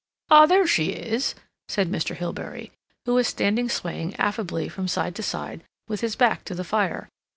"Ah, there she is," said Mr. Hilbery, who was standing swaying affably from side to side, with his back to the fire.